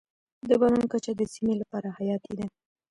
د باران کچه د سیمې لپاره حیاتي ده.